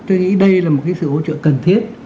tôi nghĩ đây là một sự hỗ trợ cần thiết